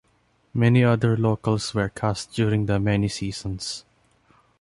Many other locals were cast during the many seasons.